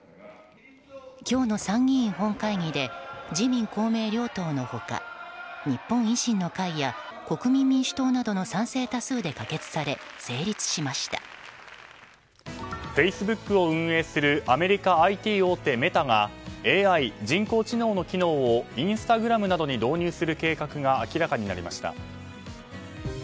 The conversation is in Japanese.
今日の参議院本会議で自民・公明両党の他日本維新の会や国民民主党などの賛成多数で可決されフェイスブックを運営するアメリカＩＴ大手メタがＡＩ・人工知能の機能をインスタグラムなどに導入する計画が明らかになりました。